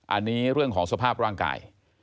อันนี้เรื่องของสภาพร่างกาย